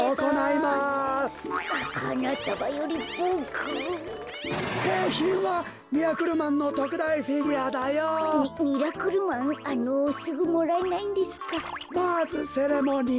まずセレモニー。